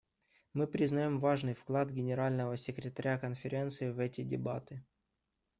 Мы признаем важный вклад Генерального секретаря Конференции в эти дебаты.